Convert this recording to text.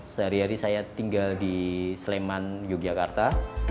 sehari hari saya tinggal di sleman yogyakarta